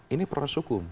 ini proses hukum